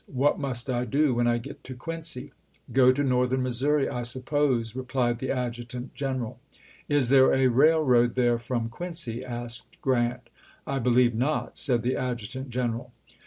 What must I do when I get to Quincy !"" Go to northern Missouri, I suppose," replied the adju tant general. " Is there a railroad there from Quincy ?" asked Grant. " I believe not," said the adjutant general.